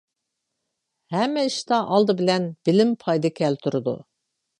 ھەممە ئىشتا ئالدى بىلەن بىلىم پايدا كەلتۈرىدۇ.